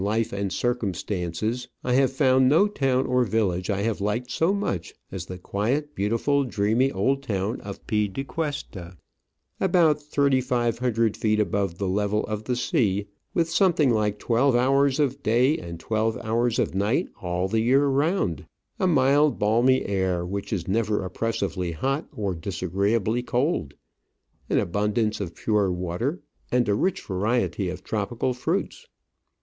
life and circumstances I have found no town or village I have liked so much as the quiet, beautiful, dreamy old town of Pie de Cuesta — about 3,500 feet above the level of the sea, with something like twelve hours of day and twelve hours of night all the year round, a mild, balmy air which is never oppressively hot or disagreeably cold, an abundance of pure water, and a Digitized by V:iOOQIC 112 Travels and Adventures rich variety of tropical fruits.